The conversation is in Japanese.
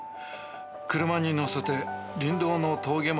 「車に乗せて林道の峠まで大騒ぎ」